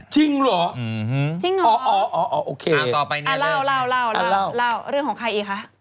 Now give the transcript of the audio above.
ชิงหรออ่อแล้วเรื่องของใครอีกค่ะ